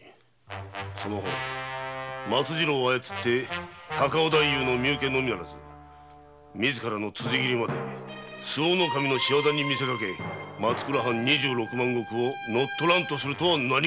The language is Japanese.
その方松次郎を操り高尾太夫の身請けのみならず自らの辻斬りまで周防守の仕業にみせかけ松倉藩二十六万石を乗っ取らんとするとは何事だ！